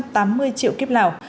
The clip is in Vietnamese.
một trăm tám mươi triệu kiếp lào